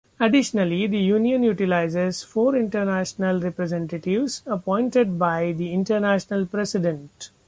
Additionally, the union utilizes four International Representatives, appointed by the International President.